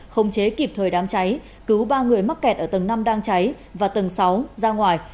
khống chế kịp thời đám cháy cứu ba người mắc kẹt ở tầng năm đang cháy và tầng sáu ra ngoài